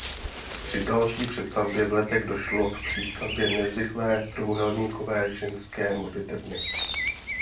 Při další přestavbě v letech došlo k přístavbě nezvyklé trojúhelníkové ženské modlitebny.